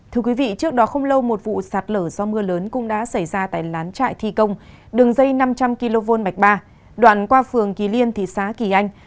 thưa quý vị trước đó không lâu một vụ sạt lở do mưa lớn cũng đã xảy ra tại lán trại thi công đường dây năm trăm linh kv mạch ba đoạn qua phường kỳ liên thị xã kỳ anh